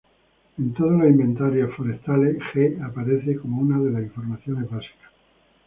En todos los inventarios forestales, G aparece como una de las informaciones básicas.